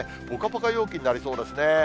ぽかぽか陽気になりそうですね。